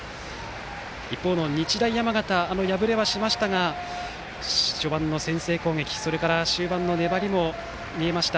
一方の日大山形は敗れはしましたが序盤の先制攻撃、それから終盤の粘りも見えました。